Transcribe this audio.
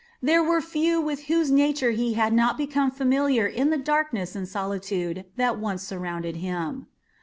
There were few with whose nature he had not become familiar in the darkness and solitude that once surrounded him.